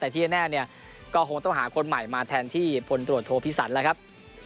แต่ที่แน่เนี่ยก็คงต้องหาคนใหม่มาแทนที่พลตรวจโทพิสันแล้วครับ